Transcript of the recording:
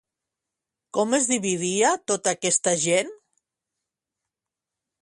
Com es dividia tota aquesta gent?